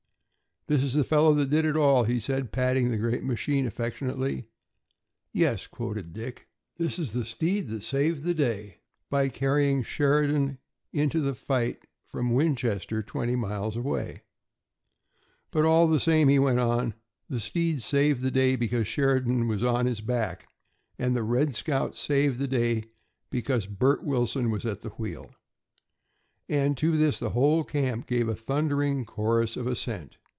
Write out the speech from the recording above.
"This is the fellow that did it all," he said, patting the great machine affectionately. "Yes," quoted Dick, "'This is the steed that saved the day, By carrying Sheridan into the fight From Winchester, twenty miles away,' but all the same," he went on, "the steed saved the day because Sheridan was on his back, and the 'Red Scout' saved the day because Bert Wilson was at the wheel." And to this the whole camp gave a thundering chorus of assent.